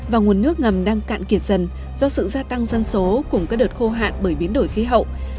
và nguồn nước ngầm đang cạn kiệt dần do sự gia tăng dân số cùng các đợt khô hạn bởi biến đổi khí hậu